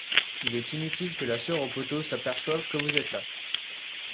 Il est inutile que la soeur au poteau s'aperçoive que vous êtes là.